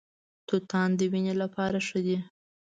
توتان د وینې لپاره ښه دي.